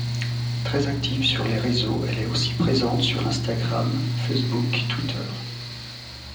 Très active sur les réseaux, elle est aussi présente sur Instagram, Facebook, Twitter...